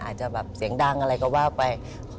อาจจะแบบเสียงดังอะไรก็ว่าไป